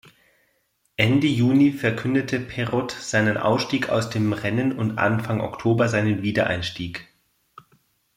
Ende Juni verkündete Perot seinen Ausstieg aus dem Rennen und Anfang Oktober seinen Wiedereinstieg.